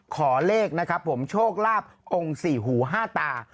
ขอเลขนะครับผมโชคลาภองค์สี่หูห้าตา